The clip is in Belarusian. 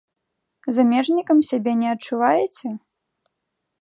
Замежнікам сябе не адчуваеце?